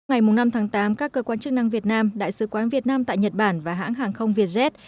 ngày năm tháng tám các cơ quan chức năng việt nam đại sứ quán việt nam tại nhật bản và hãng hàng không vietjet